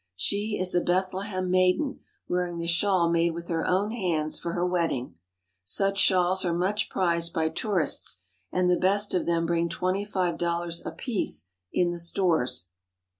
She is a Bethlehem maiden wearing the shawl made with her own hands for her wedding. Such shawls are much prized by tourists, and the best of them bring twenty five dollars apiece in the stores.